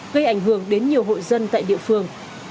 gây ảnh hưởng đến nhiều hội dân tại địa phương